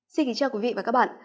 xin kính chào quý vị và các bạn